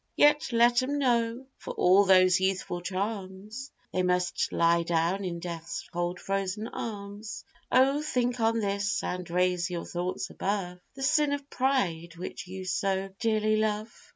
Yet let 'em know, for all those youthful charms, They must lie down in death's cold frozen arms! Oh think on this, and raise your thoughts above The sin of pride, which you so dearly love.